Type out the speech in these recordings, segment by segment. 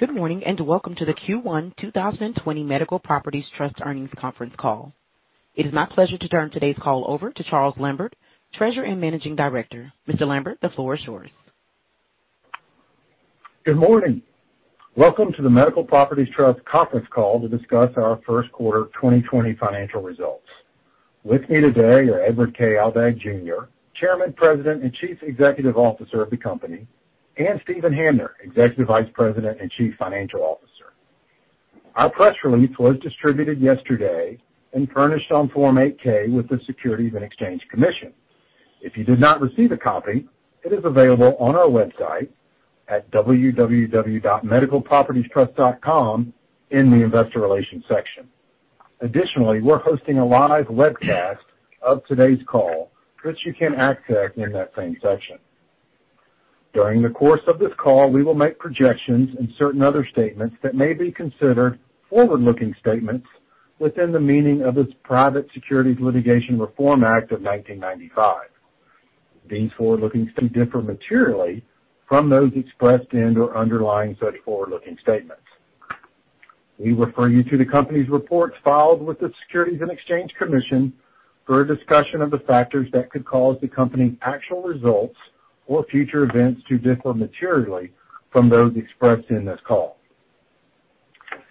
Good morning, welcome to the Q1 2020 Medical Properties Trust Earnings Conference Call. It is my pleasure to turn today's call over to Charles Lambert, Treasurer and Managing Director. Mr. Lambert, the floor is yours. Good morning. Welcome to the Medical Properties Trust conference call to discuss our first quarter 2020 financial results. With me today are Edward K. Aldag Jr., Chairman, President, and Chief Executive Officer of the company, and Steven Hamner, Executive Vice President and Chief Financial Officer. Our press release was distributed yesterday and furnished on Form 8-K with the Securities and Exchange Commission. If you did not receive a copy, it is available on our website at www.medicalpropertiestrust.com in the investor relations section. Additionally, we're hosting a live webcast of today's call, which you can access in that same section. During the course of this call, we will make projections and certain other statements that may be considered forward-looking statements within the meaning of this Private Securities Litigation Reform Act of 1995. These forward-looking statements differ materially from those expressed in or underlying such forward-looking statements. We refer you to the company's reports filed with the Securities and Exchange Commission for a discussion of the factors that could cause the company's actual results or future events to differ materially from those expressed in this call.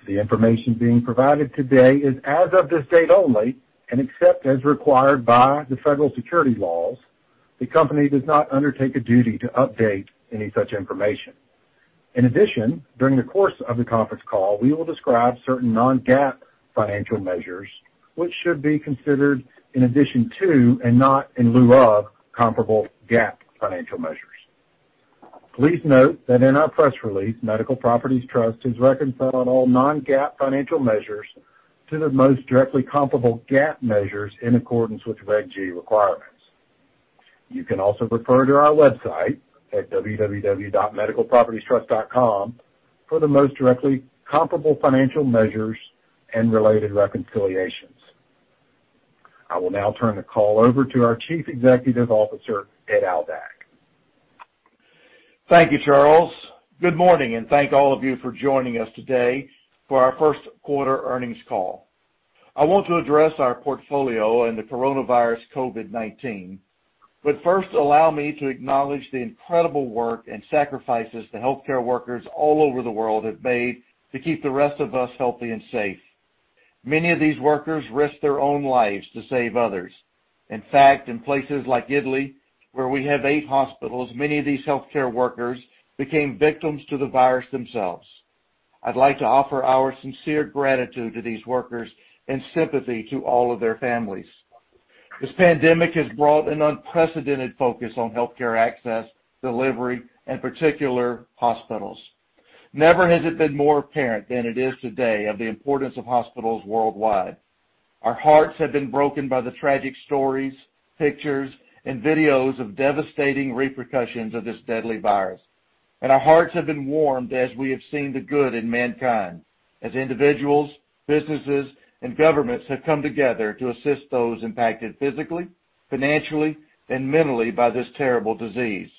The information being provided today is as of this date only, and except as required by the federal securities laws, the company does not undertake a duty to update any such information. In addition, during the course of the conference call, we will describe certain non-GAAP financial measures, which should be considered in addition to, and not in lieu of, comparable GAAP financial measures. Please note that in our press release, Medical Properties Trust has reconciled all non-GAAP financial measures to the most directly comparable GAAP measures in accordance with Reg G requirements. You can also refer to our website at www.medicalpropertiestrust.com for the most directly comparable financial measures and related reconciliations. I will now turn the call over to our Chief Executive Officer, Ed Aldag. Thank you, Charles. Good morning. Thank all of you for joining us today for our first quarter earnings call. I want to address our portfolio and the coronavirus COVID-19. First, allow me to acknowledge the incredible work and sacrifices the healthcare workers all over the world have made to keep the rest of us healthy and safe. Many of these workers risked their own lives to save others. In fact, in places like Italy, where we have eight hospitals, many of these healthcare workers became victims to the virus themselves. I'd like to offer our sincere gratitude to these workers and sympathy to all of their families. This pandemic has brought an unprecedented focus on healthcare access, delivery, and particular hospitals. Never has it been more apparent than it is today of the importance of hospitals worldwide. Our hearts have been broken by the tragic stories, pictures, and videos of devastating repercussions of this deadly virus. Our hearts have been warmed as we have seen the good in mankind, as individuals, businesses, and governments have come together to assist those impacted physically, financially, and mentally by this terrible disease.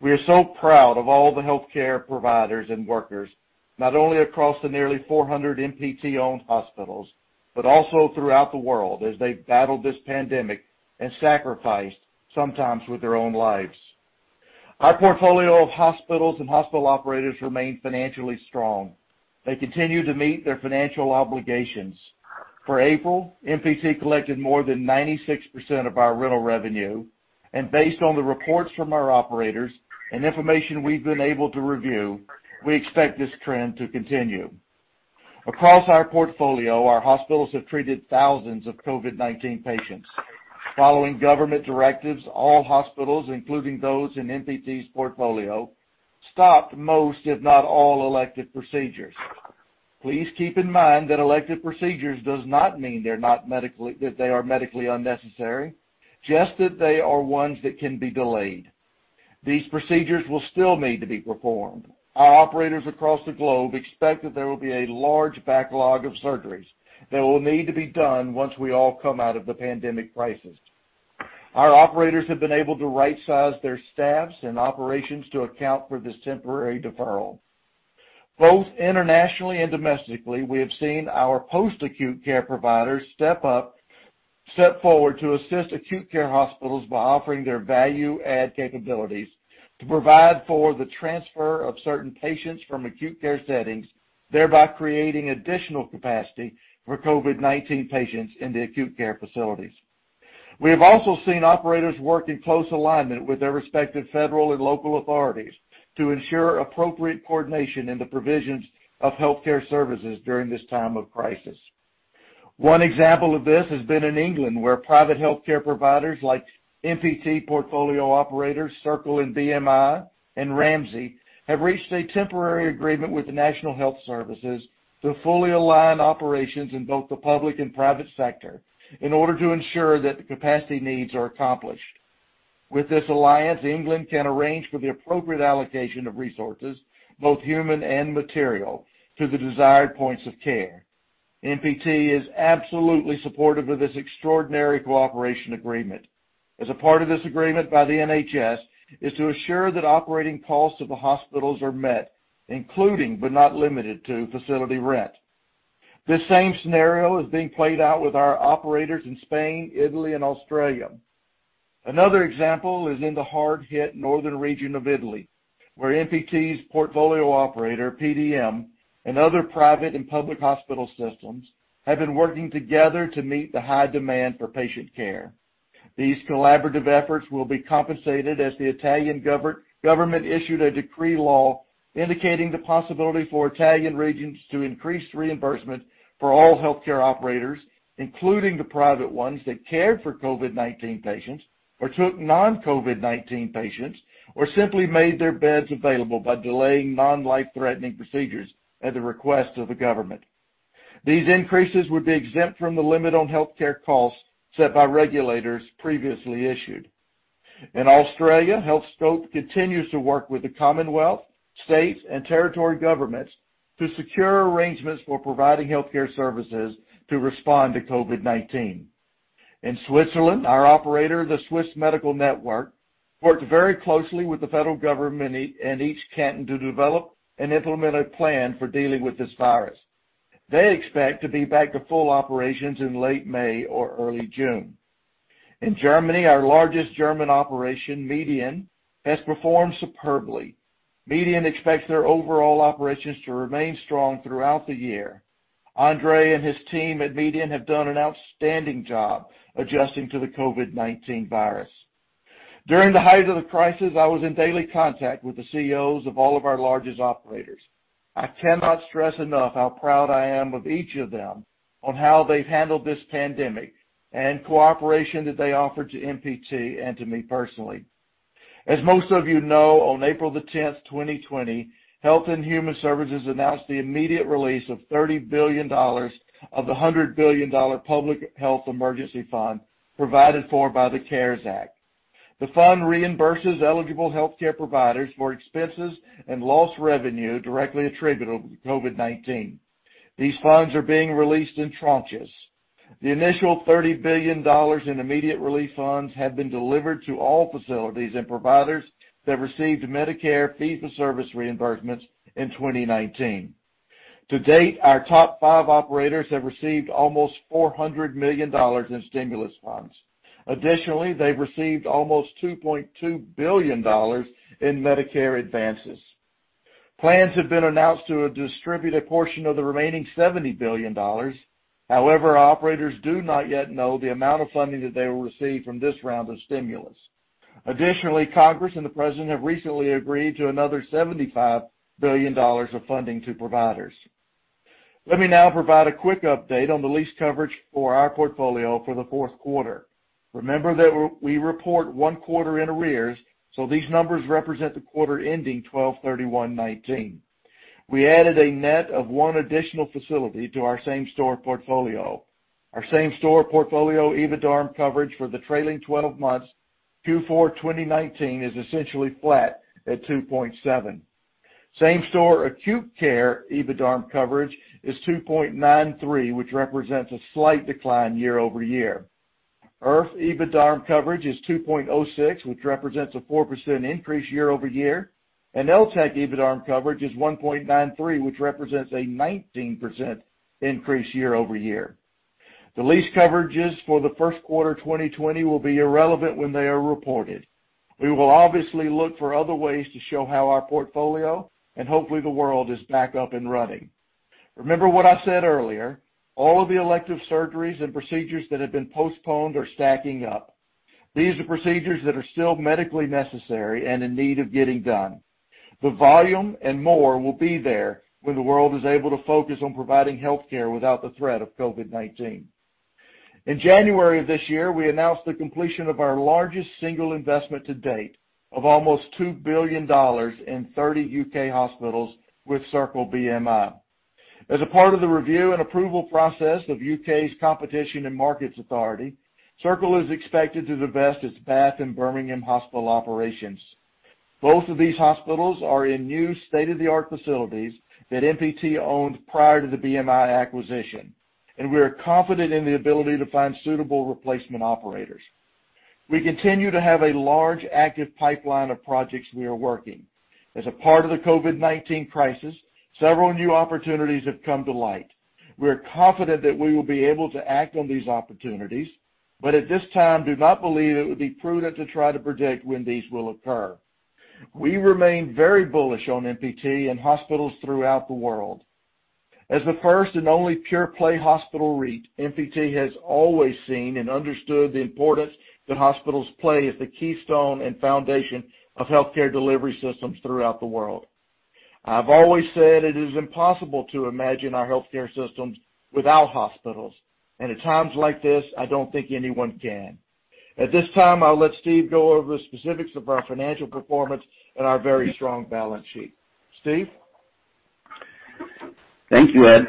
We are so proud of all the healthcare providers and workers, not only across the nearly 400 MPT-owned hospitals, but also throughout the world as they've battled this pandemic and sacrificed, sometimes with their own lives. Our portfolio of hospitals and hospital operators remain financially strong. They continue to meet their financial obligations. For April, MPT collected more than 96% of our rental revenue. Based on the reports from our operators and information we've been able to review, we expect this trend to continue. Across our portfolio, our hospitals have treated thousands of COVID-19 patients. Following government directives, all hospitals, including those in MPT's portfolio, stopped most, if not all, elective procedures. Please keep in mind that elective procedures does not mean that they are medically unnecessary, just that they are ones that can be delayed. These procedures will still need to be performed. Our operators across the globe expect that there will be a large backlog of surgeries that will need to be done once we all come out of the pandemic crisis. Our operators have been able to resize their staffs and operations to account for this temporary deferral. Both internationally and domestically, we have seen our post-acute care providers step up, step forward to assist acute care hospitals by offering their value add capabilities to provide for the transfer of certain patients from acute care settings, thereby creating additional capacity for COVID-19 patients in the acute care facilities. We have also seen operators work in close alignment with their respective federal and local authorities to ensure appropriate coordination in the provisions of healthcare services during this time of crisis. One example of this has been in England, where private healthcare providers like MPT portfolio operators Circle and BMI and Ramsay have reached a temporary agreement with the National Health Service to fully align operations in both the public and private sector in order to ensure that the capacity needs are accomplished. With this alliance, England can arrange for the appropriate allocation of resources, both human and material, to the desired points of care. MPT is absolutely supportive of this extraordinary cooperation agreement. As a part of this agreement by the NHS is to assure that operating costs of the hospitals are met, including, but not limited to, facility rent. This same scenario is being played out with our operators in Spain, Italy, and Australia. Another example is in the hard-hit northern region of Italy, where MPT's portfolio operator, PDM, and other private and public hospital systems have been working together to meet the high demand for patient care. These collaborative efforts will be compensated as the Italian government issued a decree law indicating the possibility for Italian regions to increase reimbursement for all healthcare operators, including the private ones that cared for COVID-19 patients or took non-COVID-19 patients or simply made their beds available by delaying non-life-threatening procedures at the request of the government. These increases would be exempt from the limit on healthcare costs set by regulators previously issued. In Australia, Healthscope continues to work with the Commonwealth, state, and territory governments to secure arrangements for providing healthcare services to respond to COVID-19. In Switzerland, our operator, the Swiss Medical Network, worked very closely with the federal government and each canton to develop and implement a plan for dealing with this virus. They expect to be back to full operations in late May or early June. In Germany, our largest German operation, MEDIAN, has performed superbly. MEDIAN expects their overall operations to remain strong throughout the year. André and his team at MEDIAN have done an outstanding job adjusting to the COVID-19 virus. During the height of the crisis, I was in daily contact with the CEOs of all of our largest operators. I cannot stress enough how proud I am of each of them on how they've handled this pandemic and cooperation that they offered to MPT and to me personally. As most of you know, on April the 10th, 2020, Health and Human Services announced the immediate release of $30 billion of the $100 billion public health emergency fund provided for by the CARES Act. The fund reimburses eligible healthcare providers for expenses and lost revenue directly attributable to COVID-19. These funds are being released in tranches. The initial $30 billion in immediate relief funds have been delivered to all facilities and providers that received Medicare fee-for-service reimbursements in 2019. To date, our top five operators have received almost $400 million in stimulus funds. Additionally, they've received almost $2.2 billion in Medicare advances. Plans have been announced to distribute a portion of the remaining $70 billion. However, our operators do not yet know the amount of funding that they will receive from this round of stimulus. Additionally, Congress and the President have recently agreed to another $75 billion of funding to providers. Let me now provide a quick update on the lease coverage for our portfolio for the fourth quarter. Remember that we report one quarter in arrears, so these numbers represent the quarter ending 12/31/2019. We added a net of one additional facility to our same-store portfolio. Our same-store portfolio EBITDARM coverage for the trailing 12 months Q4 2019 is essentially flat at 2.7. Same-store acute care EBITDARM coverage is 2.93, which represents a slight decline year-over-year. IRF EBITDARM coverage is 2.06, which represents a 4% increase year-over-year, and LTAC EBITDARM coverage is 1.93, which represents a 19% increase year-over-year. The lease coverages for the first quarter 2020 will be irrelevant when they are reported. We will obviously look for other ways to show how our portfolio, and hopefully the world, is back up and running. Remember what I said earlier, all of the elective surgeries and procedures that have been postponed are stacking up. These are procedures that are still medically necessary and in need of getting done. The volume, and more, will be there when the world is able to focus on providing healthcare without the threat of COVID-19. In January of this year, we announced the completion of our largest single investment to date of almost $2 billion in 30 U.K. hospitals with Circle BMI. As a part of the review and approval process of U.K.'s Competition and Markets Authority, Circle is expected to divest its Bath and Birmingham hospital operations. Both of these hospitals are in new state-of-the-art facilities that MPT owned prior to the BMI acquisition. We are confident in the ability to find suitable replacement operators. We continue to have a large active pipeline of projects we are working. As a part of the COVID-19 crisis, several new opportunities have come to light. We are confident that we will be able to act on these opportunities, at this time, do not believe it would be prudent to try to predict when these will occur. We remain very bullish on MPT and hospitals throughout the world. As the first and only pure-play hospital REIT, MPT has always seen and understood the importance that hospitals play as the keystone and foundation of healthcare delivery systems throughout the world. I've always said it is impossible to imagine our healthcare systems without hospitals. At times like this, I don't think anyone can. At this time, I'll let Steve go over the specifics of our financial performance and our very strong balance sheet. Steve? Thank you, Ed.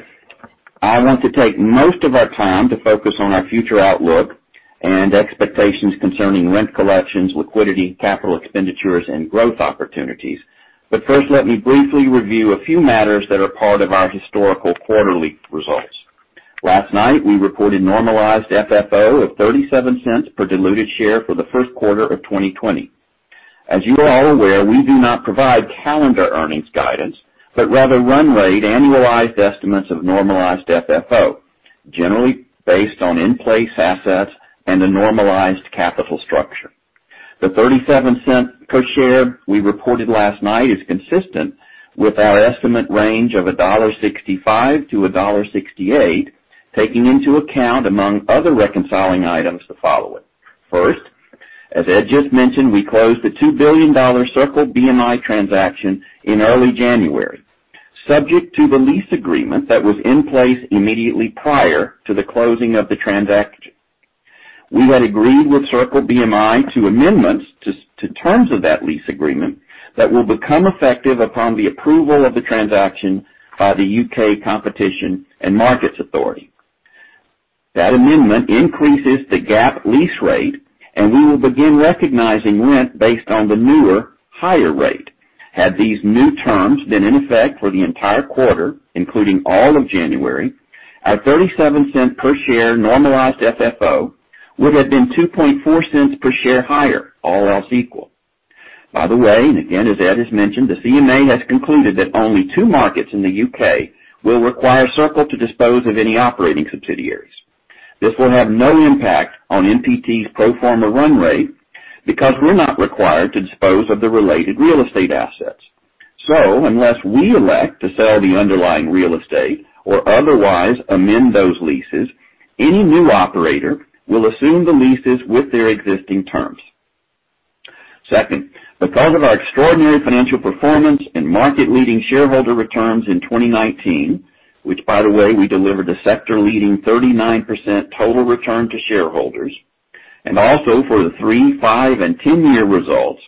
I want to take most of our time to focus on our future outlook and expectations concerning rent collections, liquidity, capital expenditures, and growth opportunities. First, let me briefly review a few matters that are part of our historical quarterly results. Last night, we reported normalized FFO of $0.37 per diluted share for the first quarter of 2020. As you are all aware, we do not provide calendar earnings guidance, but rather run rate annualized estimates of normalized FFO, generally based on in-place assets and a normalized capital structure. The $0.37 per share we reported last night is consistent with our estimate range of $1.65-$1.68, taking into account, among other reconciling items, the following. First, as Ed just mentioned, we closed the $2 billion Circle BMI transaction in early January, subject to the lease agreement that was in place immediately prior to the closing of the transaction. We had agreed with Circle BMI to amendments to terms of that lease agreement that will become effective upon the approval of the transaction by the U.K. Competition and Markets Authority. That amendment increases the GAAP lease rate, and we will begin recognizing rent based on the newer, higher rate. Had these new terms been in effect for the entire quarter, including all of January, our $0.37 per share normalized FFO would have been $0.024 per share higher, all else equal. By the way, and again, as Ed has mentioned, the CMA has concluded that only two markets in the U.K. will require Circle to dispose of any operating subsidiaries. This will have no impact on MPT's pro forma run rate because we're not required to dispose of the related real estate assets. Unless we elect to sell the underlying real estate or otherwise amend those leases, any new operator will assume the leases with their existing terms. Second, because of our extraordinary financial performance and market-leading shareholder returns in 2019, which by the way, we delivered a sector-leading 39% total return to shareholders, and also for the three, five, and 10-year results,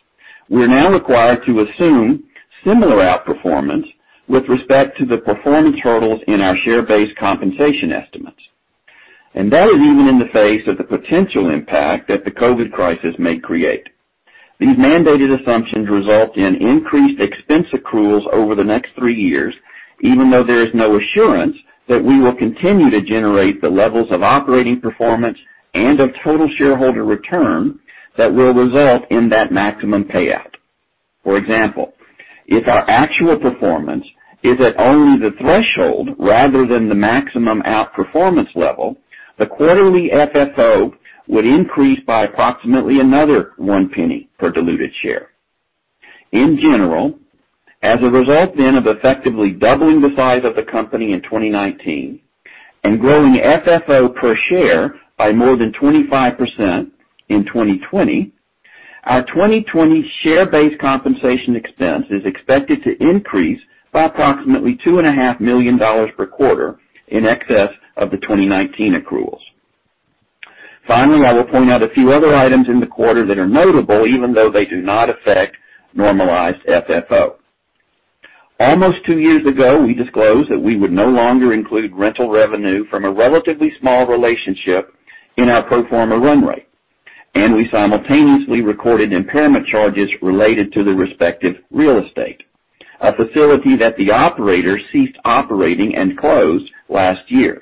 we're now required to assume similar outperformance with respect to the performance hurdles in our share-based compensation estimates. That is even in the face of the potential impact that the COVID crisis may create. These mandated assumptions result in increased expense accruals over the next three years, even though there is no assurance that we will continue to generate the levels of operating performance and of total shareholder return that will result in that maximum payout. For example, if our actual performance is at only the threshold rather than the maximum outperformance level, the quarterly FFO would increase by approximately another $0.01 per diluted share. In general, as a result then of effectively doubling the size of the company in 2019 and growing FFO per share by more than 25% in 2020, our 2020 share-based compensation expense is expected to increase by approximately $2.5 million per quarter in excess of the 2019 accruals. Finally, I will point out a few other items in the quarter that are notable even though they do not affect normalized FFO. Almost two years ago, we disclosed that we would no longer include rental revenue from a relatively small relationship in our pro forma run rate, and we simultaneously recorded impairment charges related to the respective real estate, a facility that the operator ceased operating and closed last year.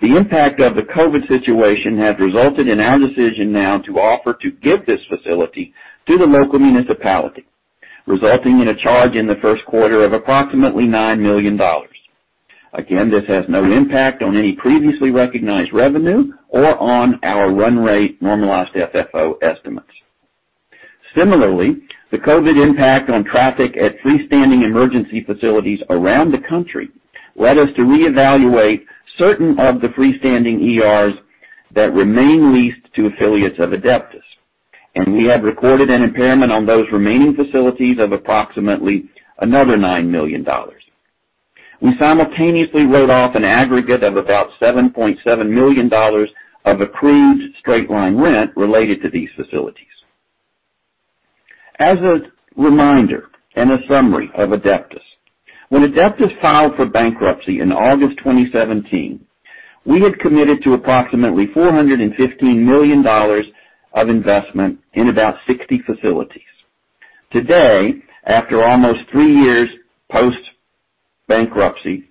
The impact of the COVID situation has resulted in our decision now to offer to give this facility to the local municipality, resulting in a charge in the first quarter of approximately $9 million. Again, this has no impact on any previously recognized revenue or on our run rate normalized FFO estimates. Similarly, the COVID impact on traffic at freestanding emergency facilities around the country led us to reevaluate certain of the freestanding ERs that remain leased to affiliates of Adeptus, and we have recorded an impairment on those remaining facilities of approximately another $9 million. We simultaneously wrote off an aggregate of about $7.7 million of accrued straight-line rent related to these facilities. As a reminder and a summary of Adeptus, when Adeptus filed for bankruptcy in August 2017, we had committed to approximately $415 million of investment in about 60 facilities. Today, after almost three years post-bankruptcy,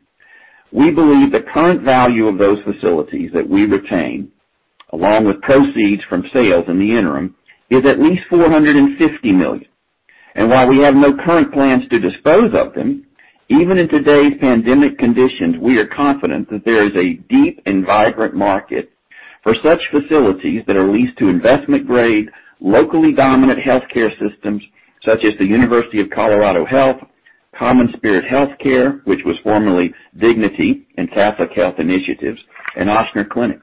we believe the current value of those facilities that we retain, along with proceeds from sales in the interim, is at least $450 million. While we have no current plans to dispose of them, even in today's pandemic conditions, we are confident that there is a deep and vibrant market for such facilities that are leased to investment-grade, locally dominant healthcare systems such as UCHealth, CommonSpirit Health, which was formerly Dignity and Catholic Health Initiatives, and Ochsner Clinic.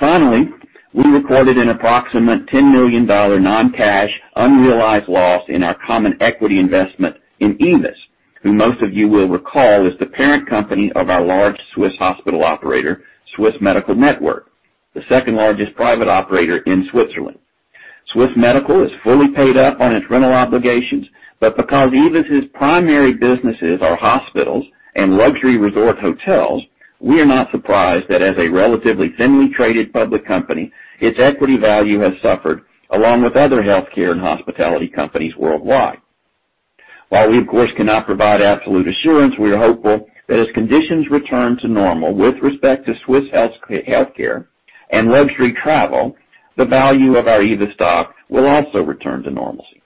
Finally, we recorded an approximate $10 million non-cash unrealized loss in our common equity investment in AEVIS, who most of you will recall is the parent company of our large Swiss hospital operator, Swiss Medical Network, the second largest private operator in Switzerland. Swiss Medical is fully paid up on its rental obligations, but because AEVIS's primary businesses are hospitals and luxury resort hotels, we are not surprised that as a relatively thinly traded public company, its equity value has suffered along with other healthcare and hospitality companies worldwide. While we, of course, cannot provide absolute assurance, we are hopeful that as conditions return to normal with respect to Swiss Healthcare and luxury travel, the value of our AEVIS stock will also return to normalcy.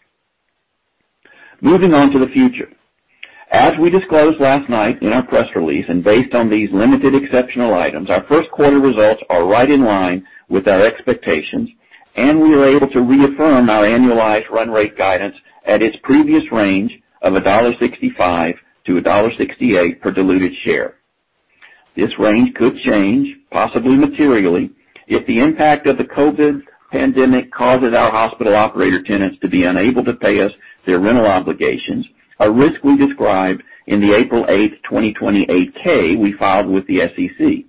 Moving on to the future. As we disclosed last night in our press release, and based on these limited exceptional items, our first quarter results are right in line with our expectations, and we are able to reaffirm our annualized run rate guidance at its previous range of $1.65-$1.68 per diluted share. This range could change, possibly materially, if the impact of the COVID-19 pandemic causes our hospital operator tenants to be unable to pay us their rental obligations, a risk we described in the April 8th, 2020 8-K we filed with the SEC,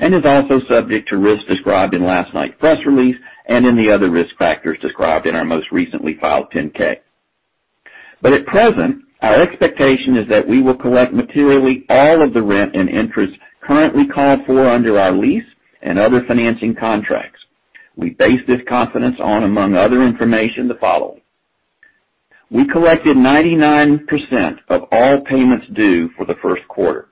and is also subject to risks described in last night's press release and in the other risk factors described in our most recently filed 10-K. At present, our expectation is that we will collect materially all of the rent and interest currently called for under our lease and other financing contracts. We base this confidence on, among other information, the following. We collected 99% of all payments due for the first quarter.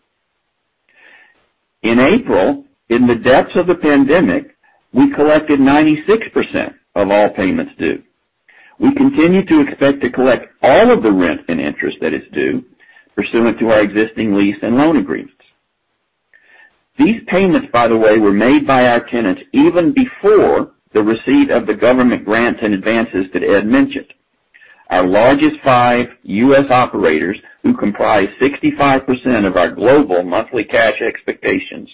In April, in the depths of the pandemic, we collected 96% of all payments due. We continue to expect to collect all of the rent and interest that is due pursuant to our existing lease and loan agreements. These payments, by the way, were made by our tenants even before the receipt of the government grants and advances that Ed mentioned. Our largest five U.S. operators, who comprise 65% of our global monthly cash expectations,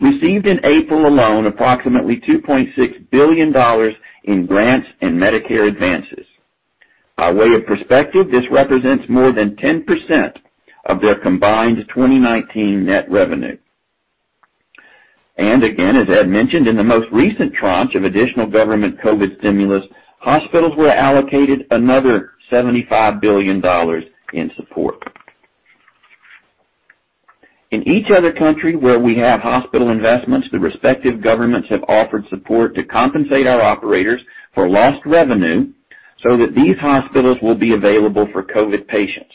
received in April alone approximately $2.6 billion in grants and Medicare advances. By way of perspective, this represents more than 10% of their combined 2019 net revenue. Again, as Ed mentioned, in the most recent tranche of additional government COVID stimulus, hospitals were allocated another $75 billion in support. In each other country where we have hospital investments, the respective governments have offered support to compensate our operators for lost revenue so that these hospitals will be available for COVID patients.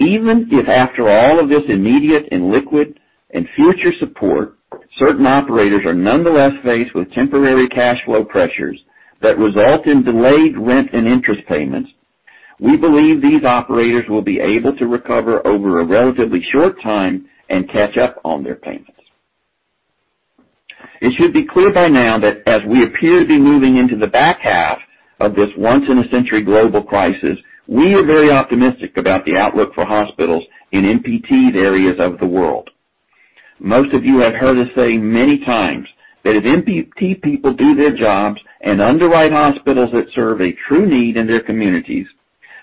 Even if after all of this immediate and liquid and future support, certain operators are nonetheless faced with temporary cash flow pressures that result in delayed rent and interest payments, we believe these operators will be able to recover over a relatively short time and catch up on their payments. It should be clear by now that as we appear to be moving into the back half of this once-in-a-century global crisis, we are very optimistic about the outlook for hospitals in MPT areas of the world. Most of you have heard us say many times that if MPT people do their jobs and underwrite hospitals that serve a true need in their communities,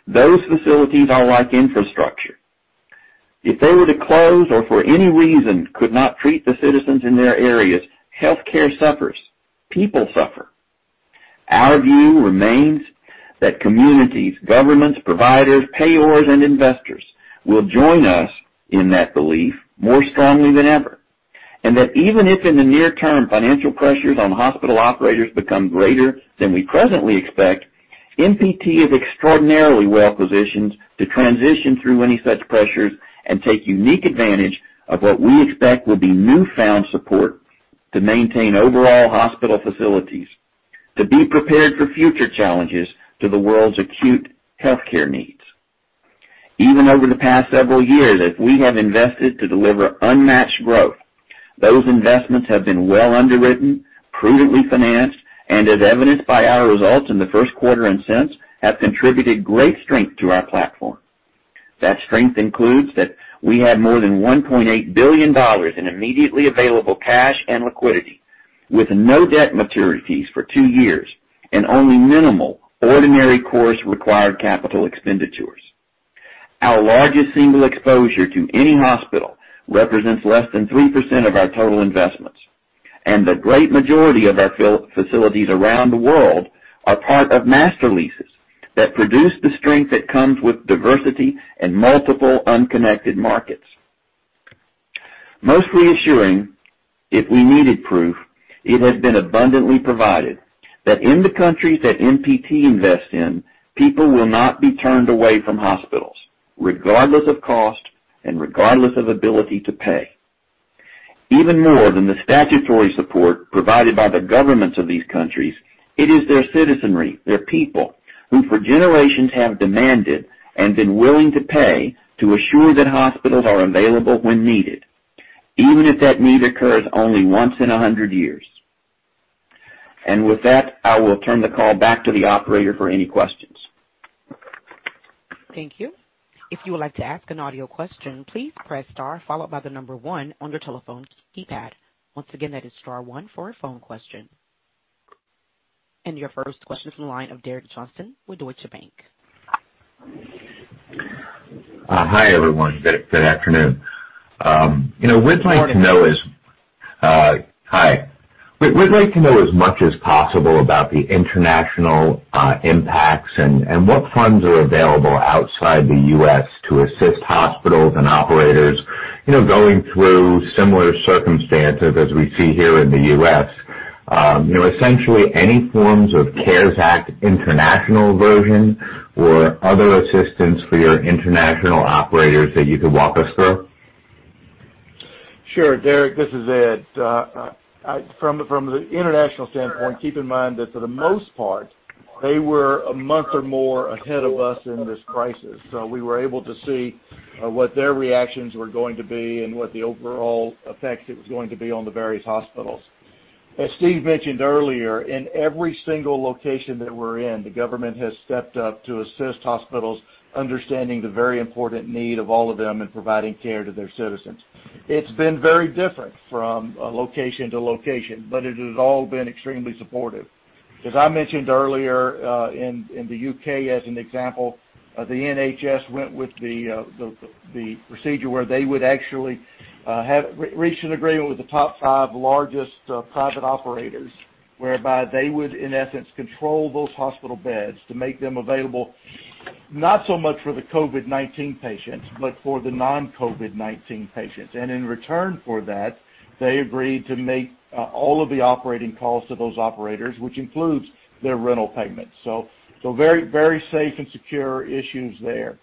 those facilities are like infrastructure. If they were to close or for any reason could not treat the citizens in their areas, healthcare suffers. People suffer. Our view remains that communities, governments, providers, payers, and investors will join us in that belief more strongly than ever, and that even if in the near term financial pressures on hospital operators become greater than we presently expect, MPT is extraordinarily well-positioned to transition through any such pressures and take unique advantage of what we expect will be newfound support to maintain overall hospital facilities to be prepared for future challenges to the world's acute healthcare needs. Even over the past several years, if we have invested to deliver unmatched growth, those investments have been well underwritten, prudently financed, and as evidenced by our results in the first quarter and since, have contributed great strength to our platform. That strength includes that we have more than $1.8 billion in immediately available cash and liquidity, with no debt maturities for two years and only minimal ordinary course required capital expenditures. Our largest single exposure to any hospital represents less than 3% of our total investments. The great majority of our facilities around the world are part of master leases that produce the strength that comes with diversity and multiple unconnected markets. Most reassuring, if we needed proof, it has been abundantly provided that in the countries that MPT invests in, people will not be turned away from hospitals, regardless of cost and regardless of ability to pay. Even more than the statutory support provided by the governments of these countries, it is their citizenry, their people, who for generations have demanded and been willing to pay to assure that hospitals are available when needed, even if that need occurs only once in 100 years. With that, I will turn the call back to the operator for any questions. Thank you. If you would like to ask an audio question, please press star followed by the number one on your telephone keypad. Once again, that is star one for a phone question. Your first question is on the line of Derek Johnston with Deutsche Bank. Hi, everyone. Good afternoon. Good morning. Hi. We'd like to know as much as possible about the international impacts and what funds are available outside the U.S. to assist hospitals and operators going through similar circumstances as we see here in the U.S. Essentially, any forms of CARES Act international version or other assistance for your international operators that you could walk us through? Sure. Derek, this is Ed. From the international standpoint, keep in mind that for the most part, they were a month or more ahead of us in this crisis. We were able to see what their reactions were going to be and what the overall effects it was going to be on the various hospitals. As Steve mentioned earlier, in every single location that we're in, the government has stepped up to assist hospitals understanding the very important need of all of them in providing care to their citizens. It's been very different from location to location, but it has all been extremely supportive. As I mentioned earlier, in the U.K. as an example, the NHS went with the procedure where they would actually reach an agreement with the top five largest private operators, whereby they would, in essence, control those hospital beds to make them available, not so much for the COVID-19 patients, but for the non-COVID-19 patients. In return for that, they agreed to make all of the operating costs to those operators, which includes their rental payments. Very safe and secure issues there.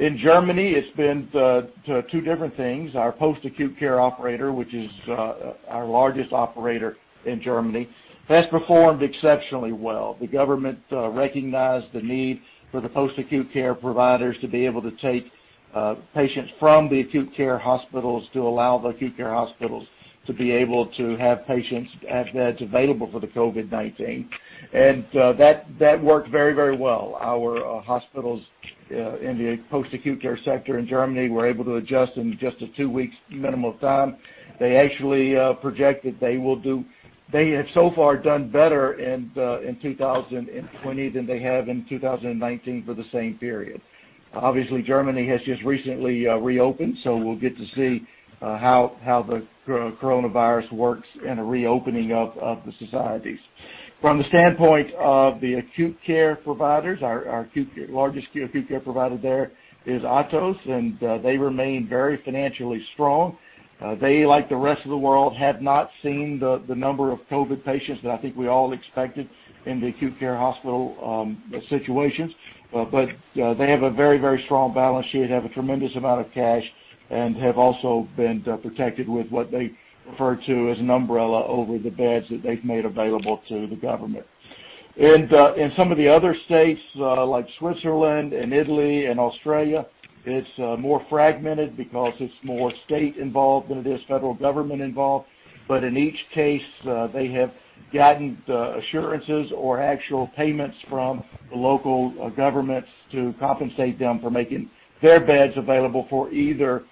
In Germany, it's been two different things. Our post-acute care operator, which is our largest operator in Germany, has performed exceptionally well. The government recognized the need for the post-acute care providers to be able to take patients from the acute care hospitals to allow the acute care hospitals to be able to have patients, have beds available for the COVID-19. That worked very well. Our hospitals in the post-acute care sector in Germany were able to adjust in just a two weeks minimum time. They actually projected they have so far done better in 2020 than they have in 2019 for the same period. Germany has just recently reopened, so we'll get to see how the coronavirus works in a reopening of the societies. From the standpoint of the acute care providers, our largest acute care provider there is ATOS, and they remain very financially strong. They, like the rest of the world, have not seen the number of COVID patients that I think we all expected in the acute care hospital situations. They have a very strong balance sheet, have a tremendous amount of cash, and have also been protected with what they refer to as an umbrella over the beds that they've made available to the government. In some of the other states, like Switzerland and Italy and Australia, it's more fragmented because it's more state involved than it is federal government involved. In each case, they have gotten assurances or actual payments from the local governments to compensate them for making their beds available for either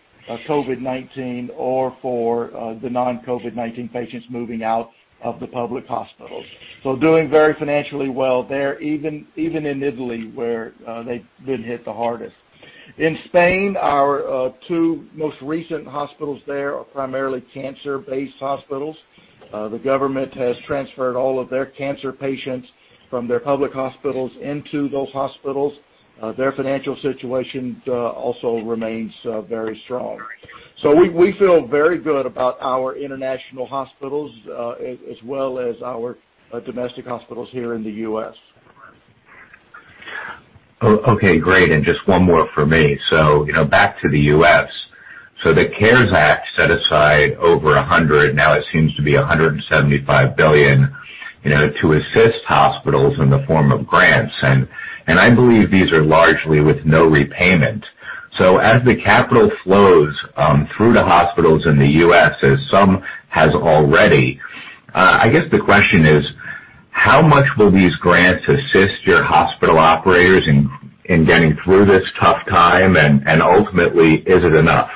COVID-19 or for the non-COVID-19 patients moving out of the public hospitals. Doing very financially well there, even in Italy, where they've been hit the hardest. In Spain, our two most recent hospitals there are primarily cancer-based hospitals. The government has transferred all of their cancer patients from their public hospitals into those hospitals. Their financial situation also remains very strong. We feel very good about our international hospitals, as well as our domestic hospitals here in the U.S. Okay, great. Just one more from me. Back to the U.S. The CARES Act set aside over $100, now it seems to be $175 billion, to assist hospitals in the form of grants. I believe these are largely with no repayment. As the capital flows through the hospitals in the U.S., as some has already, I guess the question is, how much will these grants assist your hospital operators in getting through this tough time? Ultimately, is it enough?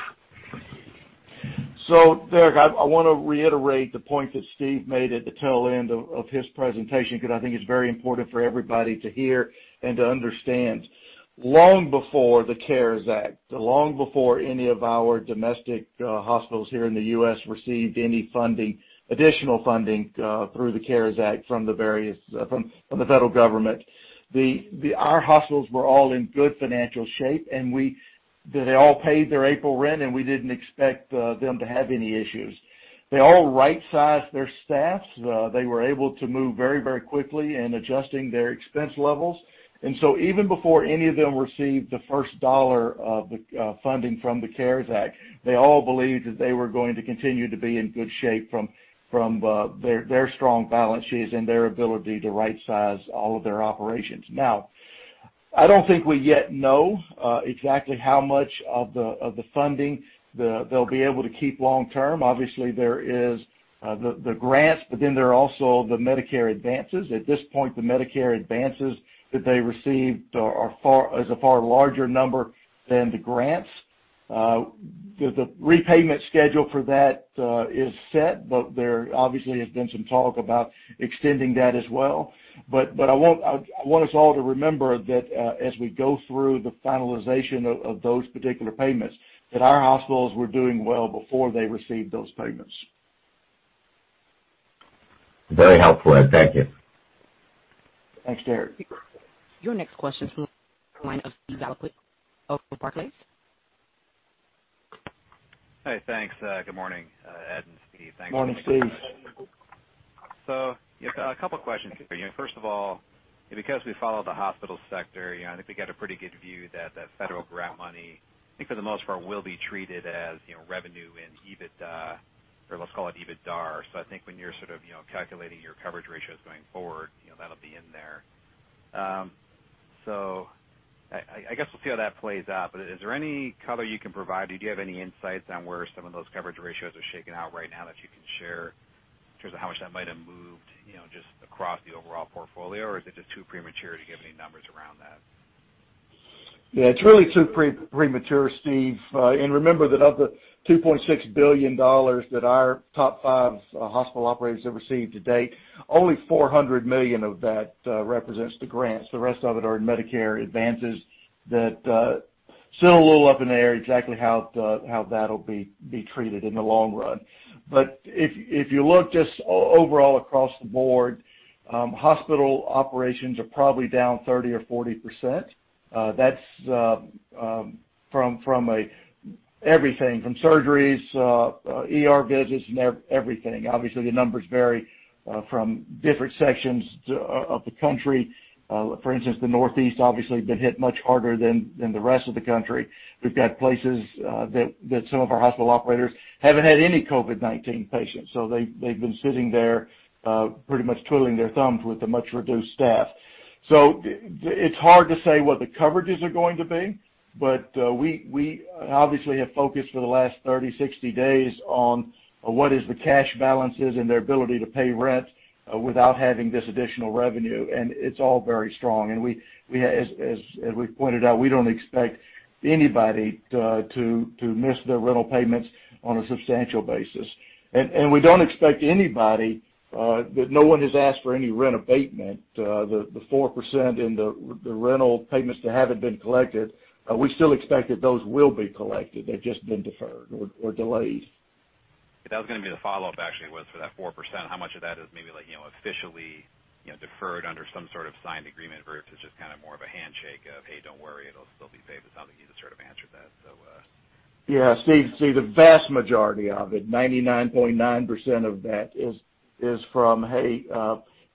Derek, I want to reiterate the point that Steve made at the tail end of his presentation because I think it's very important for everybody to hear and to understand. Long before the CARES Act, long before any of our domestic hospitals here in the U.S. received any additional funding through the CARES Act from the federal government, our hospitals were all in good financial shape, and they all paid their April rent, and we didn't expect them to have any issues. They all right-sized their staffs. They were able to move very quickly in adjusting their expense levels. Even before any of them received the first dollar of the funding from the CARES Act, they all believed that they were going to continue to be in good shape from their strong balance sheets and their ability to right-size all of their operations. Now, I don't think we yet know exactly how much of the funding they'll be able to keep long-term. Obviously, there is the grants. There are also the Medicare advances. At this point, the Medicare advances that they received is a far larger number than the grants. The repayment schedule for that is set. There obviously has been some talk about extending that as well. I want us all to remember that as we go through the finalization of those particular payments, that our hospitals were doing well before they received those payments. Very helpful, Ed. Thank you. Thanks, Derek. Your next question Hi, thanks. Good morning, Ed and Steve. Morning, Steve. A couple questions for you. First of all, because we follow the hospital sector, I think we get a pretty good view that the federal grant money, I think for the most part, will be treated as revenue in EBITDA, or let's call it, EBITDAR. I think when you're sort of calculating your coverage ratios going forward, that'll be in there. I guess we'll see how that plays out, but is there any color you can provide? Do you have any insights on where some of those coverage ratios are shaking out right now that you can share in terms of how much that might have moved just across the overall portfolio? Or is it just too premature to give any numbers around that? Yeah, it's really too premature, Steve. Remember that of the $2.6 billion that our top five hospital operators have received to date, only $400 million of that represents the grants. The rest of it are in Medicare advances that still a little up in the air exactly how that'll be treated in the long run. If you look just overall across the board, hospital operations are probably down 30% or 40%. That's from everything, from surgeries, ER visits, and everything. Obviously, the numbers vary from different sections of the country. For instance, the Northeast obviously has been hit much harder than the rest of the country. We've got places that some of our hospital operators haven't had any COVID-19 patients. They've been sitting there, pretty much twiddling their thumbs with a much reduced staff. It's hard to say what the coverages are going to be, but we obviously have focused for the last 30, 60 days on what is the cash balances and their ability to pay rent without having this additional revenue. It's all very strong. As we pointed out, we don't expect anybody to miss their rental payments on a substantial basis. We don't expect anybody, that no one has asked for any rent abatement. The 4% in the rental payments that haven't been collected, we still expect that those will be collected. They've just been deferred or delayed. That was going to be the follow-up, actually, was for that 4%, how much of that is maybe officially deferred under some sort of signed agreement, versus just kind of more of a handshake of, "Hey, don't worry, it'll still be paid." It sounds like you just sort of answered that. Yeah, Steve, the vast majority of it, 99.9% of that is from, "Hey,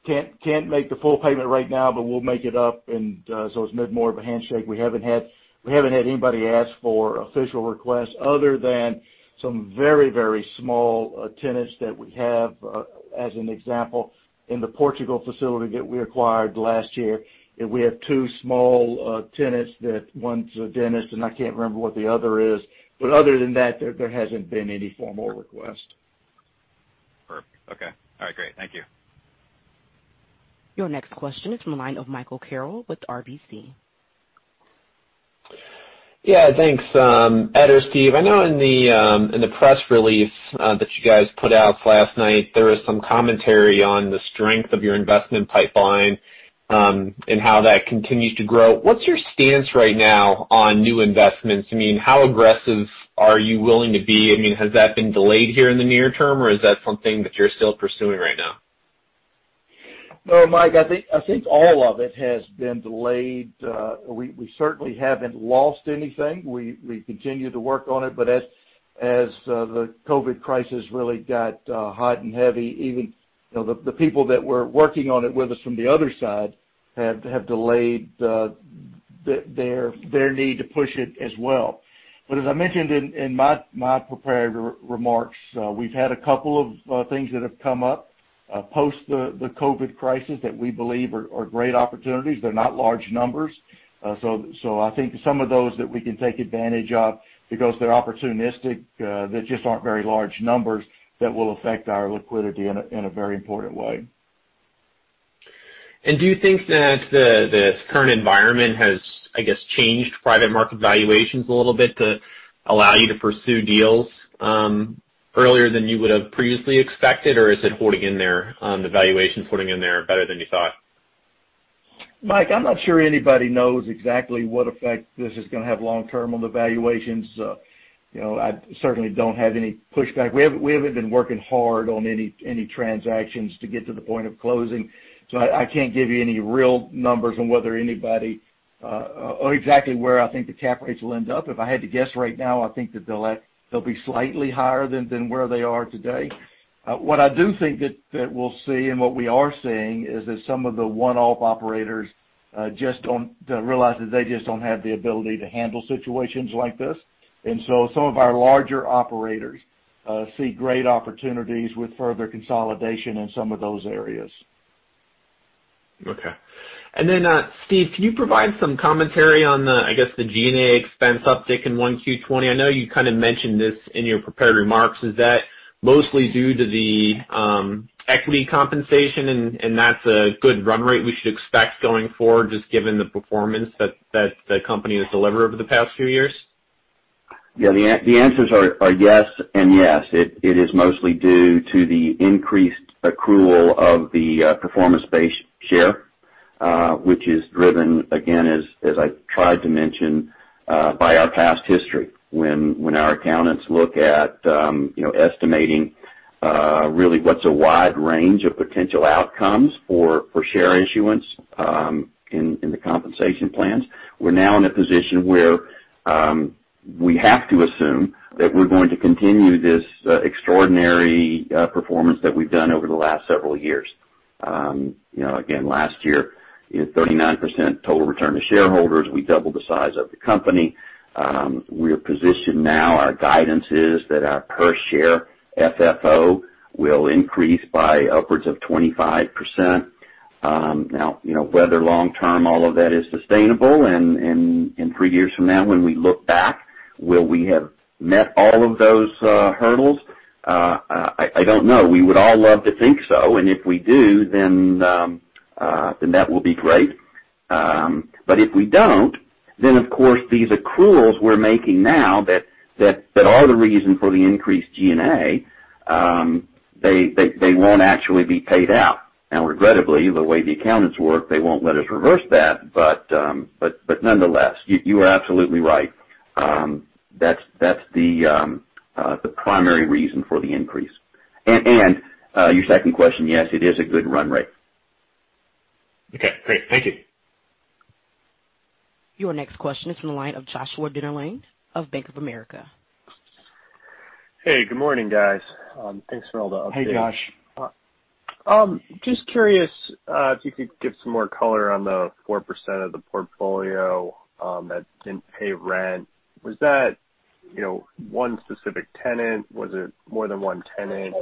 can't make the full payment right now, but we'll make it up," and so it's been more of a handshake. We haven't had anybody ask for official requests other than some very, very small tenants that we have. As an example, in the Portugal facility that we acquired last year, we have two small tenants. One's a dentist, and I can't remember what the other is. Other than that, there hasn't been any formal request. Perfect. Okay. All right, great. Thank you. Your next question is from the line of Michael Carroll with RBC. Yeah, thanks. Ed or Steve, I know in the press release that you guys put out last night, there was some commentary on the strength of your investment pipeline, and how that continues to grow. What's your stance right now on new investments? How aggressive are you willing to be? Has that been delayed here in the near term, or is that something that you're still pursuing right now? Mike, I think all of it has been delayed. We certainly haven't lost anything. We continue to work on it, as the COVID crisis really got hot and heavy, even the people that were working on it with us from the other side have delayed their need to push it as well. As I mentioned in my prepared remarks, we've had a couple of things that have come up post the COVID crisis that we believe are great opportunities. They're not large numbers. I think some of those that we can take advantage of because they're opportunistic, they just aren't very large numbers that will affect our liquidity in a very important way. Do you think that the current environment has, I guess, changed private market valuations a little bit to allow you to pursue deals earlier than you would have previously expected, or is it holding in there, the valuations holding in there better than you thought? Mike, I'm not sure anybody knows exactly what effect this is going to have long term on the valuations. I certainly don't have any pushback. We haven't been working hard on any transactions to get to the point of closing, I can't give you any real numbers on whether anybody or exactly where I think the cap rates will end up. If I had to guess right now, I think that they'll be slightly higher than where they are today. What I do think that we'll see, and what we are seeing, is that some of the one-off operators just don't realize that they just don't have the ability to handle situations like this. Some of our larger operators see great opportunities with further consolidation in some of those areas. Okay. Steve, can you provide some commentary on the, I guess, the G&A expense uptick in 1Q20? I know you kind of mentioned this in your prepared remarks. Is that mostly due to the equity compensation, and that's a good run rate we should expect going forward, just given the performance that the company has delivered over the past few years? Yeah. The answers are yes, and yes. It is mostly due to the increased accrual of the performance-based share, which is driven, again, as I tried to mention, by our past history. When our accountants look at estimating really what's a wide range of potential outcomes for share issuance in the compensation plans, we're now in a position where we have to assume that we're going to continue this extraordinary performance that we've done over the last several years. Again, last year, 39% total return to shareholders. We doubled the size of the company. We're positioned now, our guidance is that our per share FFO will increase by upwards of 25%. Now, whether long term all of that is sustainable, and three years from now when we look back, will we have met all of those hurdles? I don't know. We would all love to think so. If we do, that will be great. If we don't, of course these accruals we're making now that are the reason for the increased G&A, they won't actually be paid out. Now, regrettably, the way the accountants work, they won't let us reverse that. Nonetheless, you are absolutely right. That's the primary reason for the increase. To your second question, yes, it is a good run rate. Okay, great. Thank you. Your next question is from the line of Joshua Dennerlein of Bank of America. Hey, good morning, guys. Thanks for all the updates. Hey, Josh. Just curious if you could give some more color on the 4% of the portfolio that didn't pay rent? Was that one specific tenant? Was it more than one tenant?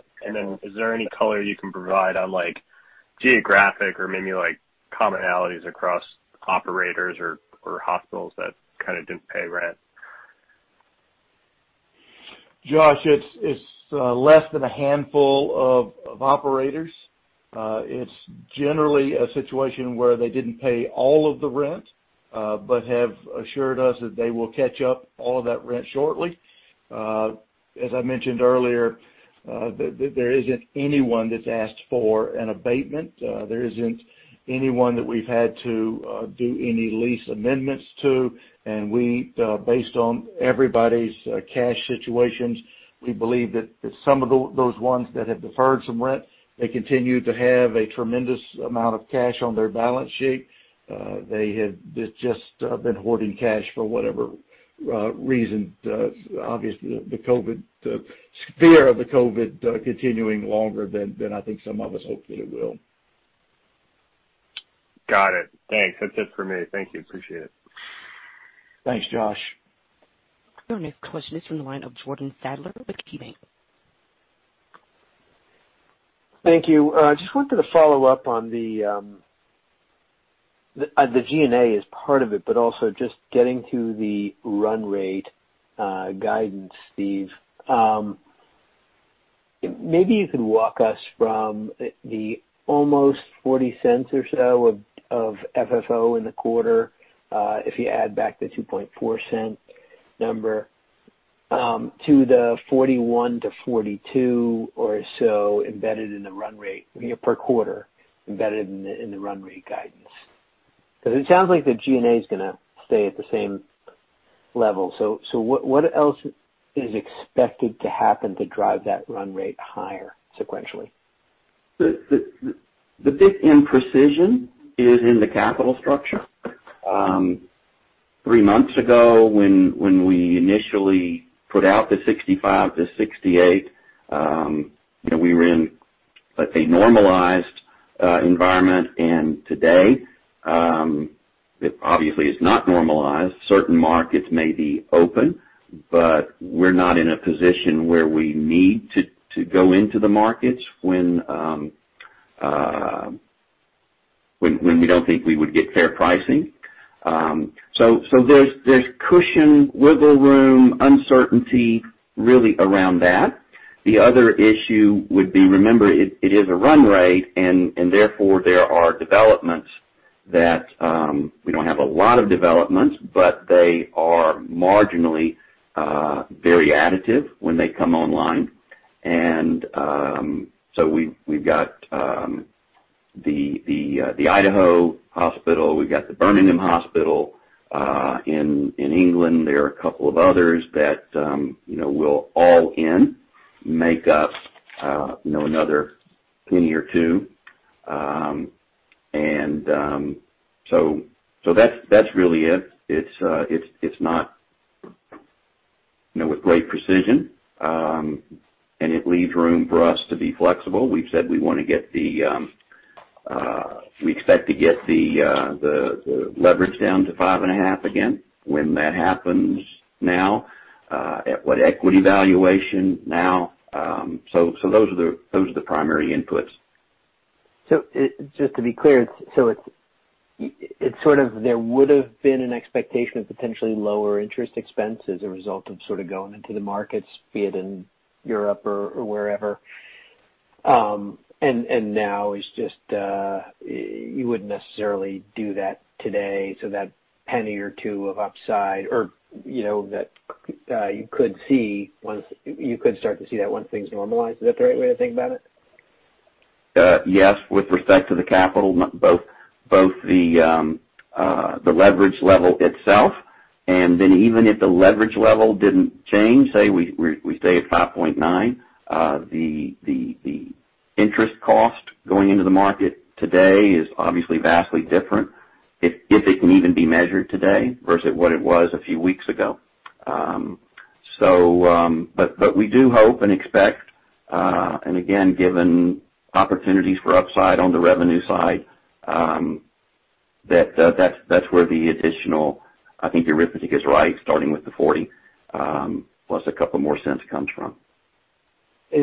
Is there any color you can provide on geographic or maybe commonalities across operators or hospitals that kind of didn't pay rent? Josh, it's less than a handful of operators. It's generally a situation where they didn't pay all of the rent, but have assured us that they will catch up all of that rent shortly. As I mentioned earlier, there isn't anyone that's asked for an abatement. There isn't anyone that we've had to do any lease amendments to. Based on everybody's cash situations, we believe that some of those ones that have deferred some rent, they continue to have a tremendous amount of cash on their balance sheet. They had just been hoarding cash for whatever reason. Obviously, the fear of the COVID-19 continuing longer than I think some of us hoped that it will. Got it. Thanks. That's it for me. Thank you. Appreciate it. Thanks, Josh. Your next question is from the line of Jordan Sadler with KeyBank. Thank you. Just wanted to follow up on the G&A as part of it, also just getting to the run rate guidance, Steve. Maybe you could walk us from the almost $0.40 or so of FFO in the quarter, if you add back the $0.024 number, to the $0.41-$0.42 or so embedded in the run rate per quarter, embedded in the run rate guidance. It sounds like the G&A's going to stay at the same level. What else is expected to happen to drive that run rate higher sequentially? The big imprecision is in the capital structure. Three months ago, when we initially put out the $0.65-$0.68, we were in let's say normalized environment. Today, it obviously is not normalized. Certain markets may be open, but we're not in a position where we need to go into the markets when we don't think we would get fair pricing. There's cushion, wiggle room, uncertainty really around that. The other issue would be, remember, it is a run rate. Therefore, there are developments that, we don't have a lot of developments, but they are marginally very additive when they come online. We've got the Idaho hospital, we've got the Birmingham hospital in England. There are a couple of others that will all in make up another $0.01 or $0.02. That's really it. It's not with great precision, and it leaves room for us to be flexible. We've said we expect to get the leverage down to five and a half again. When that happens now, at what equity valuation now? Those are the primary inputs. Just to be clear, there would've been an expectation of potentially lower interest expense as a result of going into the markets, be it in Europe or wherever. Now it's just, you wouldn't necessarily do that today, so that penny or two of upside, or that you could start to see that once things normalize. Is that the right way to think about it? Yes. With respect to the capital, both the leverage level itself, and then even if the leverage level didn't change, say we stay at 5.9, the interest cost going into the market today is obviously vastly different, if it can even be measured today versus what it was a few weeks ago. We do hope and expect, and again, given opportunities for upside on the revenue side, that that's where the additional, I think, arithmetic is right, starting with the 40, plus a couple more cents comes from.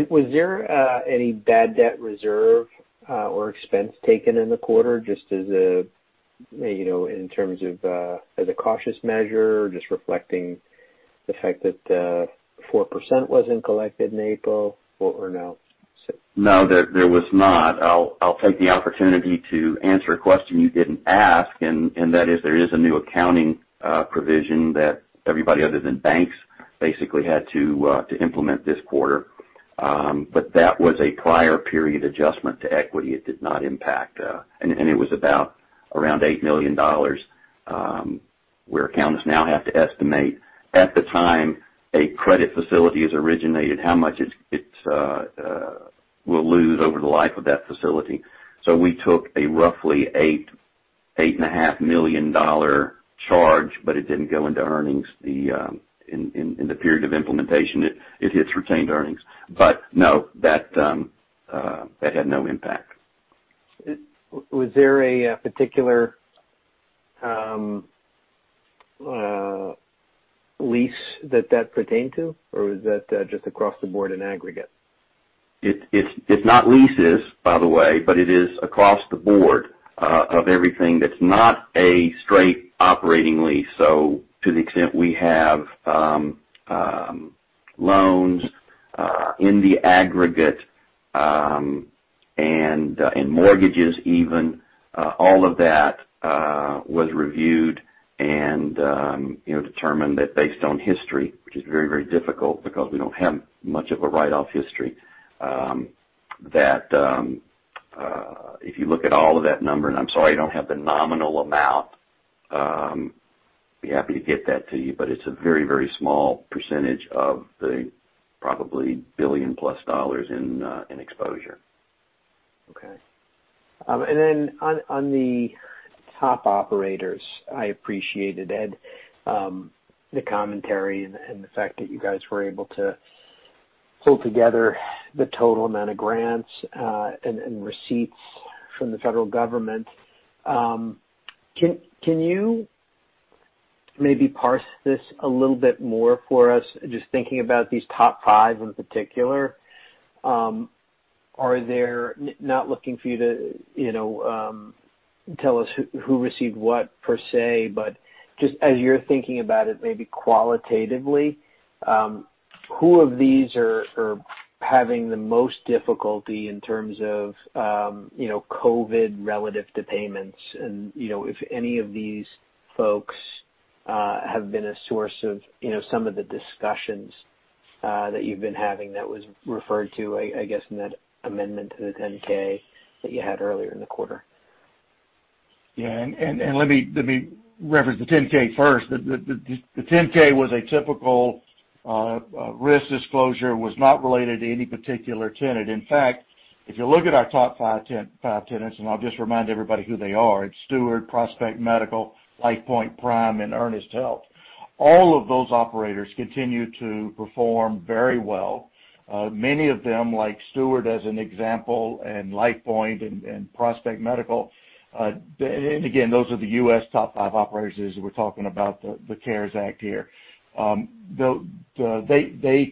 Was there any bad debt reserve or expense taken in the quarter, just as a cautious measure, just reflecting the fact that 4% wasn't collected in April, or no? No, there was not. I'll take the opportunity to answer a question you didn't ask, and that is, there is a new accounting provision that everybody other than banks basically had to implement this quarter. That was a prior period adjustment to equity. It was about around $8 million, where accountants now have to estimate, at the time a credit facility is originated, how much it will lose over the life of that facility. We took a roughly $8.5 million charge, but it didn't go into earnings. In the period of implementation, it hits retained earnings. No, that had no impact. Was there a particular lease that that pertained to, or was that just across the board in aggregate? It's not leases, by the way, but it is across the board of everything that's not a straight operating lease. To the extent we have loans in the aggregate, and in mortgages even, all of that was reviewed and determined that based on history, which is very, very difficult because we don't have much of a write-off history, that if you look at all of that number, and I'm sorry, I don't have the nominal amount. Be happy to get that to you, but it's a very, very small percentage of the probably $1 billion+ in exposure. Okay. On the top operators, I appreciated, Ed, the commentary and the fact that you guys were able to pull together the total amount of grants and receipts from the federal government. Can you maybe parse this a little bit more for us, just thinking about these top five in particular? Not looking for you to tell us who received what per se, but just as you're thinking about it maybe qualitatively, who of these are having the most difficulty in terms of COVID relative to payments? If any of these folks have been a source of some of the discussions that you've been having that was referred to, I guess, in that amendment to the 10-K that you had earlier in the quarter? Yeah. Let me reference the 10-K first. The 10-K was a typical risk disclosure, was not related to any particular tenant. In fact, if you look at our top five tenants, and I'll just remind everybody who they are, it's Steward, Prospect Medical, LifePoint, Prime, and Ernest Health. All of those operators continue to perform very well. Many of them, like Steward, as an example, and LifePoint and Prospect Medical. Again, those are the U.S. top five operators as we're talking about the CARES Act here. They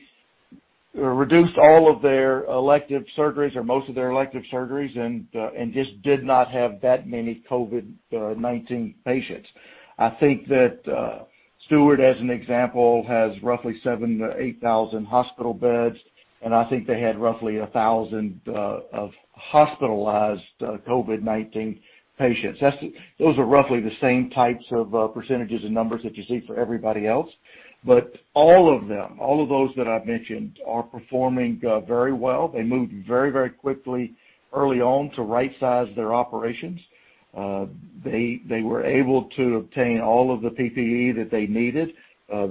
reduced all of their elective surgeries or most of their elective surgeries, and just did not have that many COVID-19 patients. I think that Steward, as an example, has roughly 7,000-8,000 hospital beds, and I think they had roughly 1,000 of hospitalized COVID-19 patients. Those are roughly the same types of percentages and numbers that you see for everybody else. All of them, all of those that I've mentioned, are performing very well. They moved very, very quickly early on to right-size their operations. They were able to obtain all of the PPE that they needed.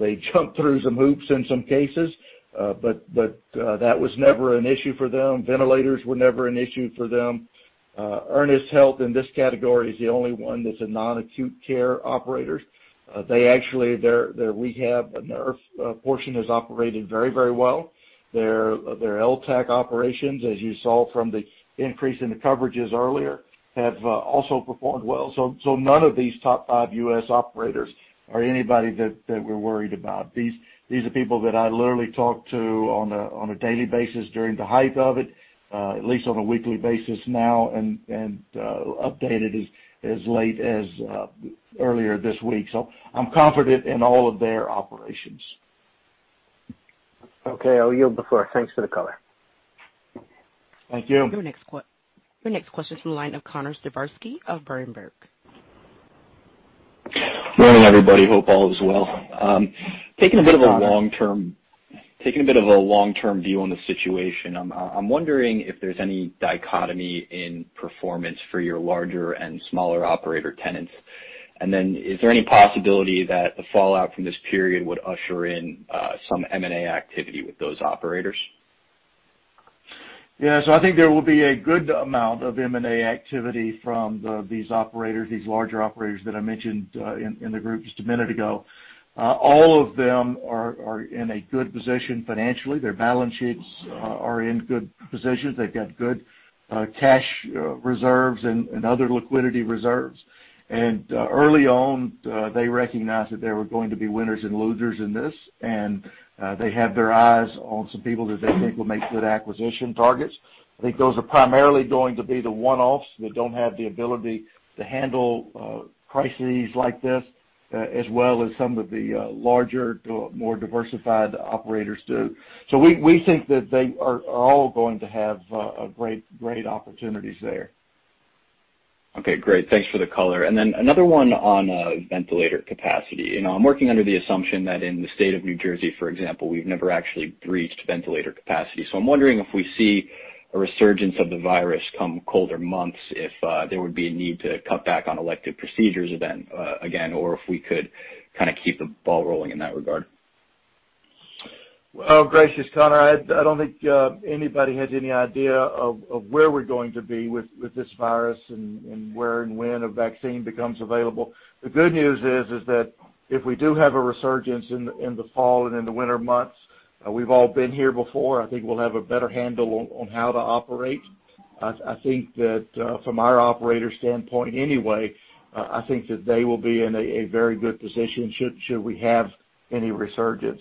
They jumped through some hoops in some cases, but that was never an issue for them. Ventilators were never an issue for them. Ernest Health in this category is the only one that's a non-acute care operator. Their rehab and IRF portion has operated very, very well. Their LTAC operations, as you saw from the increase in the coverages earlier, have also performed well. None of these top five U.S. operators are anybody that we're worried about. These are people that I literally talked to on a daily basis during the height of it, at least on a weekly basis now, and updated as late as earlier this week. I'm confident in all of their operations. Okay. I'll yield before. Thanks for the color. Thank you. Your next question's from the line of Connor Siversky of Berenberg. Morning, everybody. Hope all is well. Hi, Connor of a long-term view on the situation, I'm wondering if there's any dichotomy in performance for your larger and smaller operator tenants. Is there any possibility that the fallout from this period would usher in some M&A activity with those operators? Yeah. I think there will be a good amount of M&A activity from these larger operators that I mentioned in the group just a minute ago. All of them are in a good position financially. Their balance sheets are in good positions. They've got good cash reserves and other liquidity reserves. Early on, they recognized that there were going to be winners and losers in this, and they have their eyes on some people that they think will make good acquisition targets. I think those are primarily going to be the one-offs that don't have the ability to handle crises like this, as well as some of the larger, more diversified operators do. We think that they are all going to have great opportunities there. Okay, great. Thanks for the color. Another one on ventilator capacity. I'm working under the assumption that in the state of New Jersey, for example, we've never actually breached ventilator capacity. I'm wondering if we see a resurgence of the virus come colder months if there would be a need to cut back on elective procedures again, or if we could kind of keep the ball rolling in that regard. Oh, gracious, Connor, I don't think anybody has any idea of where we're going to be with this virus and where and when a vaccine becomes available. The good news is that if we do have a resurgence in the fall and in the winter months, we've all been here before. I think we'll have a better handle on how to operate. I think that from our operators' standpoint anyway, I think that they will be in a very good position should we have any resurgence.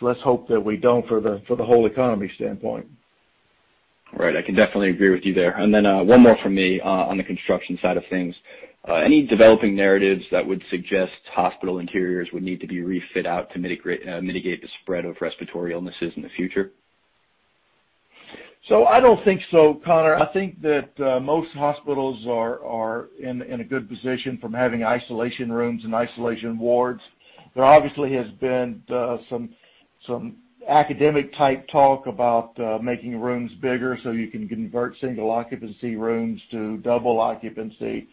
Let's hope that we don't for the whole economy standpoint. All right. I can definitely agree with you there. One more from me on the construction side of things. Any developing narratives that would suggest hospital interiors would need to be refit out to mitigate the spread of respiratory illnesses in the future? I don't think so, Connor. I think that most hospitals are in a good position from having isolation rooms and isolation wards. There obviously has been some academic-type talk about making rooms bigger so you can convert single occupancy rooms to double occupancy,